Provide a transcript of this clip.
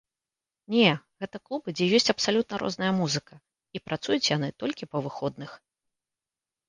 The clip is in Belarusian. Не, гэта клубы, дзе ёсць абсалютна розная музыка, і працуюць яны толькі па выходных.